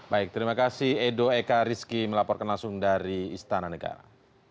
baik terima kasih edo eka rizki melaporkan langsung dari istana negara